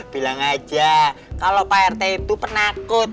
bilang aja kalau pak rt itu penakut